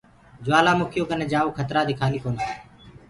جوآلآ مُکيٚ يو ڪني جآوو کترآ دي کآلي ڪونآ۔